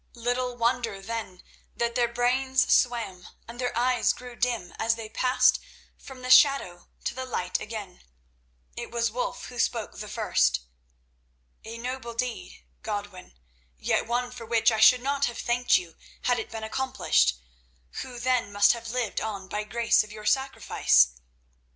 Little wonder, then, that their brains swam, and their eyes grew dim, as they passed from the shadow to the light again. It was Wulf who spoke the first. "A noble deed, Godwin, yet one for which I should not have thanked you had it been accomplished, who then must have lived on by grace of your sacrifice.